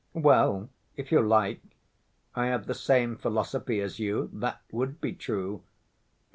"Well, if you like, I have the same philosophy as you, that would be true.